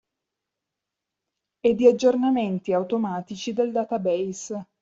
E di aggiornamenti automatici del database.